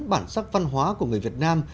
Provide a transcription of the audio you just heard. bản sắc văn hóa của người việt nam